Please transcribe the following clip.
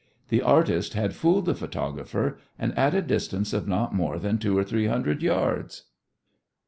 The artist had fooled the photographer and at a distance of not more than two or three hundred yards!